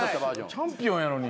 チャンピオンやのに。